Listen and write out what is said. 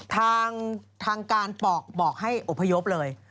ทางการบอกให้อบพยพเลย